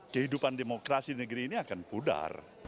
kehidupan demokrasi negeri ini akan pudar